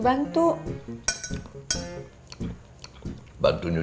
berarti kita bisa lihat